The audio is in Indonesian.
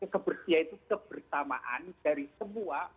kebersihan itu kebersamaan dari semua